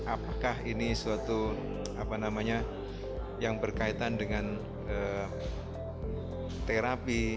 apakah ini suatu apa namanya yang berkaitan dengan terapi